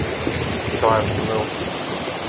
Claro que não